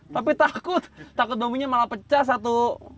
tapi takut takut bambunya malah pecah satu